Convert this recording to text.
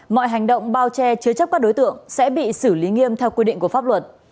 mọi hành động bao che chứa chấp các đối tượng sẽ bị xử lý nghiêm theo quy định của pháp luật